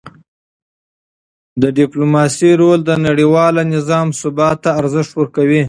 د ډیپلوماسی رول د نړیوال نظام ثبات ته ارزښت ورکوي.